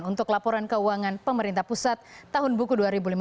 untuk laporan keuangan pemerintah pusat tahun buku dua ribu lima belas